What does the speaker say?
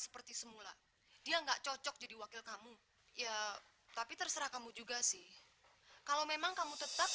seperti semula dia enggak cocok jadi wakil kamu ya tapi terserah kamu juga sih kalau memang kamu tetap